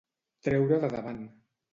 Treure de davant.